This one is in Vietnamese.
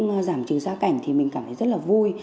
tăng mức giảm chứa ra cảnh thì mình cảm thấy rất là vui